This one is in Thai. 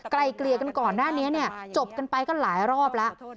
ไกลเกลี่ยกันก่อนหน้านี้เนี่ยจบกันไปก็หลายรอบแล้ว